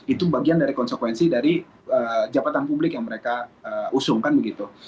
itu bagian dari konsekuensi dari jabatan publik yang mereka usung kan begitu